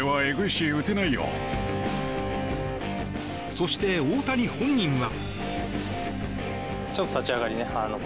そして、大谷本人は。